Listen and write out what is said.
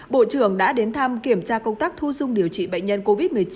bộ trưởng đã đến thăm kiểm tra công tác thu dung điều trị bệnh nhân covid một mươi chín